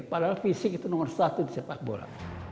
padahal fisik itu nomor satu di sepak bola